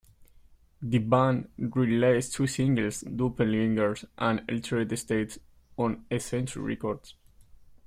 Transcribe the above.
The band released two singles, "Doppelganger" and "Altered States" on Eccentric Records.